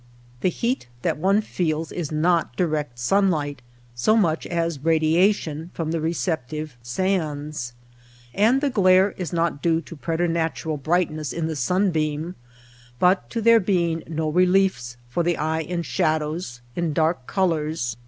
The heat that one feels is not direct sunlight so much as radiation from the receptive sands ; and the glare is due not to preternatural bright ness in the sunbeam, but to there being no re liefs for the eye in shadows, in dark colors, in 77 Popular ideas of the desert.